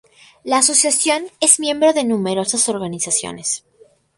La asociación es miembro de numerosas organizaciones.